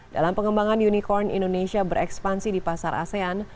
dalam pengembangan unicorn indonesia berekspansi di pasar asean